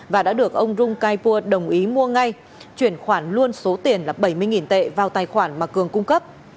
và đã được ông rung kaifur đồng ý mua ngay chuyển khoản luôn số tiền là bảy mươi tệ vào tài khoản mà cường cung cấp